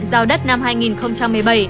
giao đất năm hai nghìn một mươi bảy